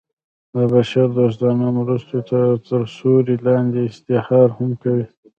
د بشر دوستانه مرستو تر سیورې لاندې اشتهار هم کوي.